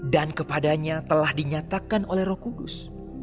dan kepadanya telah dinyatakan oleh roh kudus